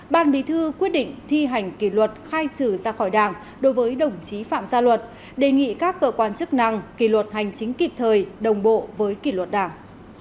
ban bí thư quyết định thi hành kỷ luật khai trừ ra khỏi đảng đối với đồng chí phạm gia luật đề nghị các cơ quan chức năng kỳ luật hành chính kịp thời đồng bộ với kỷ luật đảng